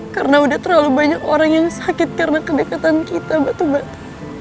karena udah terlalu banyak orang yang sakit karena kedekatan kita batu bata